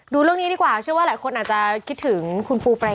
ดูเรื่องนี้ดีกว่าเชื่อว่าหลายคนอาจจะคิดถึงคุณปูเปร